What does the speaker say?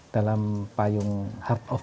dalam payung heart of